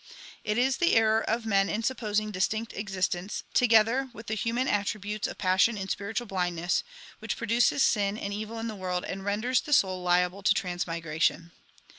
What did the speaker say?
1 It is the error of men in supposing distinct existence, together with the human attributes of passion and spiritual blindness, which produces sin and evil in the world and renders^ the soul liable to trans migration.